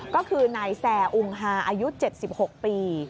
ก็คือนายแซ่อุงฮาอายุ๗๖ปี